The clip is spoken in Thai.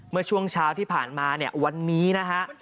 เมื่อช่วงเช้าที่ผ่านมาเนี่ยวันนี้นะฮะ